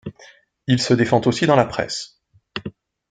Il se défend aussi dans la presse.